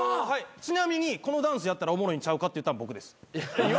ちなみにこのダンスやったらおもろいんちゃうかって言ったの僕です。